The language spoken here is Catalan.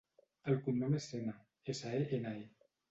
El cognom és Sene: essa, e, ena, e.